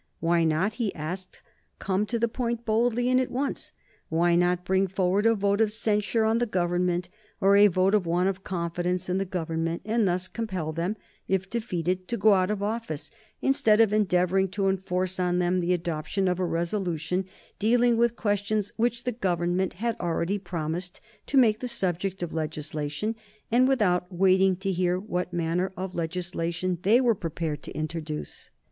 Why not, he asked, come to the point boldly and at once? Why not bring forward a vote of censure on the Government, or a vote of want of confidence in the Government, and thus compel them, if defeated, to go out of office, instead of endeavoring to enforce on them the adoption of a resolution dealing with questions which the Government had already promised to make the subject of legislation, and without waiting to hear what manner of legislation they were prepared to introduce?